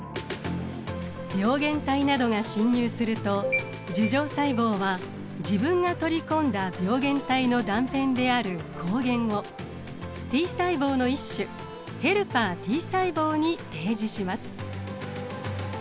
病原体などが侵入すると樹状細胞は自分が取り込んだ病原体の断片である抗原をＴ細胞の一種ヘルパーＴ細胞に提示します。